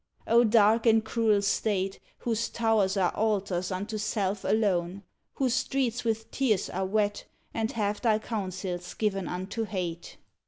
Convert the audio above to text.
O dark and cruel State, Whose towers are altars unto self alone, Whose streets with tears are wet, And half thy councils given unto hate!